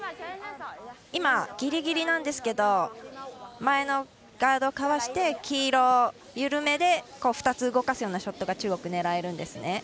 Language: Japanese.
今、ギリギリなんですけど前のガードをかわして黄色緩めで２つ動かすようなショットが中国、狙えるんですね。